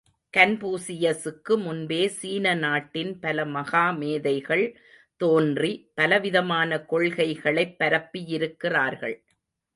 கன்பூசியசுக்கு முன்பே சீன நாட்டின் பல மகா மேதைகள் தோன்றி பலவிதமான கொள்கைகளைப் பரப்பியிருக்கிறார்கள்.